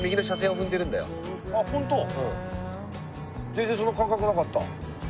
全然そんな感覚なかった。